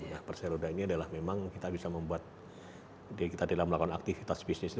nah perseroda ini adalah memang kita bisa membuat kita dalam melakukan aktivitas bisnis ini